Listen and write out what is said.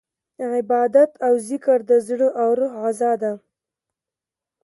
عبادت او ذکر د زړه او روح غذا ده.